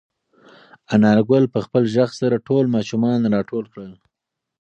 انارګل په خپل غږ سره ټول ماشومان راټول کړل.